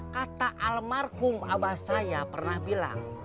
kata almarhum abah saya pernah bilang